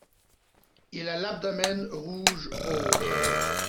Il a l'abdomen rouge-rose.